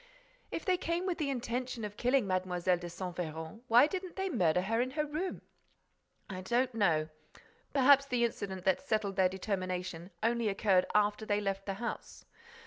"If they came with the intention of killing Mlle. de Saint Véran, why didn't they murder her in her room?" "I don't know. Perhaps the incident that settled their determination only occurred after they had left the house.